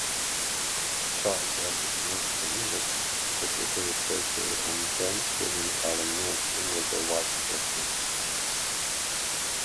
Charles Edward Neilson was secretary-treasurer and James William Allen Neilson was a vice-president.